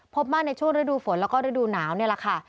พบมากในช่วงฤดูฝนแล้วก็ฤดูหนาวนี่แหละค่ะ